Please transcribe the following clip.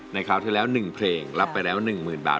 คราวที่แล้ว๑เพลงรับไปแล้ว๑๐๐๐บาท